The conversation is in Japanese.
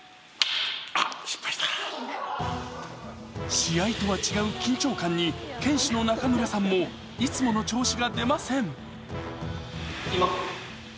試合とは違う緊張感に、剣士の中村さんもいつもの調子が出ません。